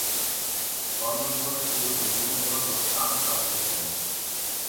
কর্মজীবনের শুরুতে তিনি মূলত স্টান্ট কাজ করতেন।